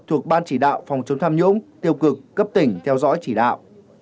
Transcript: thuộc ban chỉ đạo phòng chống tham nhũng tiêu cực cấp tỉnh theo dõi chỉ đạo